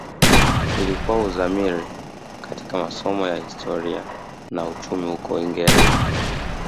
Ilikuwa uzamili katika masomo ya Historia na Uchumi huko Uingereza